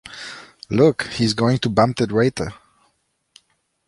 Look — he's going to bump that waiter.